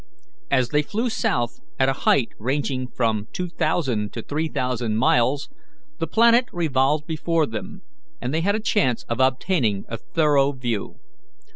As they flew south at a height ranging from two thousand to three thousand miles, the planet revolved before them, and they had a chance of obtaining a thorough view.